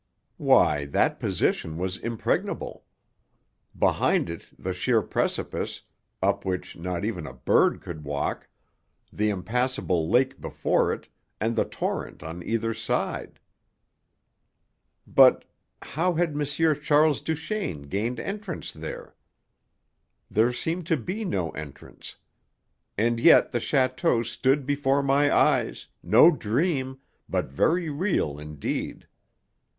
Why, that position was impregnable! Behind it the sheer precipice, up which not even a bird could walk; the impassable lake before it, and the torrent on either side! But how had M. Charles Duchaine gained entrance there? There seemed to be no entrance. And yet the château stood before my eyes, no dream, but very real indeed.